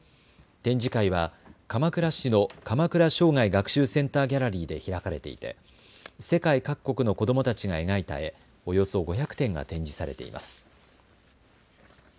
展示会は鎌倉市の鎌倉生涯学習センターギャラリーで開かれていて世界各国の子どもたちが描いた絵、およそ５００点が展示されています。